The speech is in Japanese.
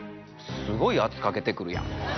すごい圧かけてくるやん。